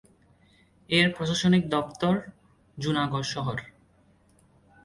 এর প্রশাসনিক সদর দফতর জুনাগড় শহর।